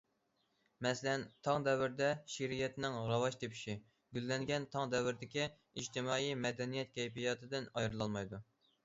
مەسىلەن، تاڭ دەۋرىدە شېئىرىيەتنىڭ راۋاج تېپىشى، گۈللەنگەن تاڭ دەۋرىدىكى ئىجتىمائىي، مەدەنىيەت كەيپىياتىدىن ئايرىلالمايدۇ.